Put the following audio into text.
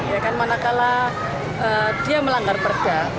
ya kan mana kala dia melanggar perda